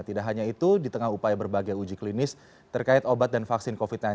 tidak hanya itu di tengah upaya berbagai uji klinis terkait obat dan vaksin covid sembilan belas